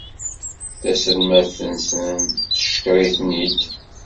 Taselmadt-nsen teckeṛ-iten-id.